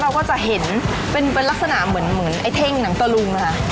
เราก็จะเห็นเป็นลักษณะเหมือน